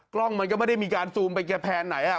กล้องมันก็ไม่ได้มีการซูมไปแกแผนไหน